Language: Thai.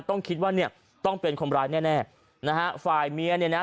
ต้องคิดว่าเนี่ยต้องเป็นคนร้ายแน่แน่นะฮะฝ่ายเมียเนี่ยนะ